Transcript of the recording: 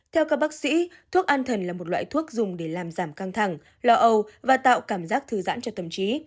theo các bác sĩ thuốc an thần là một loại thuốc dùng để làm giảm căng thẳng lo âu và tạo cảm giác thư giãn cho tầm trí